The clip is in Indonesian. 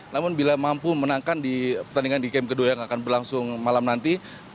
namun bila mampu menangkan di pertandingan di game kedua yang akan berlangsung malam nanti